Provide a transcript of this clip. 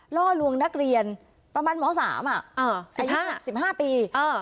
ล่อลวงนักเรียนประมาณหมอสามอ่ะอ่าสิบห้าสิบห้าปีอ่า